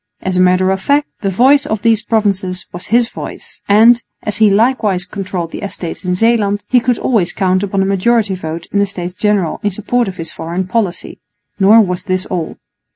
As a matter of fact, the voice of these provinces was his voice; and, as he likewise controlled the Estates in Zeeland, he could always count upon a majority vote in the States General in support of his foreign policy. Nor was this all.